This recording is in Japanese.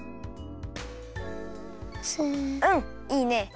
うんいいね。